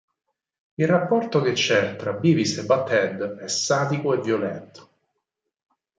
Il rapporto che c'è tra Beavis e Butt-head è sadico e violento.